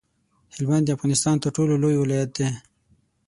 هلمند د افغانستان تر ټولو لوی ولایت دی.